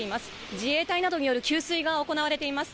自衛隊などによる給水が行われています。